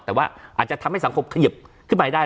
แต่ว่าอาจจะทำให้สังคมขยิบขึ้นไปได้